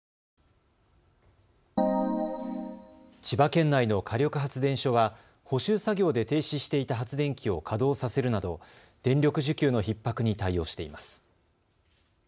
千葉県内の火力発電所は補修作業で停止していた発電機を稼働させるなど電力需給のひっ迫に対応しています。